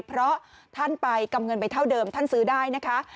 เพราะท่านไปกำเงินไปเท่าเดิมท่านซื้อได้นะคะ